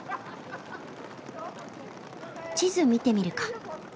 地図見てみるか。